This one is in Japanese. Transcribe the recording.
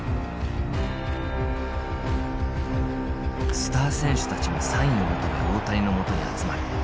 スター選手たちもサインを求め大谷のもとに集まる。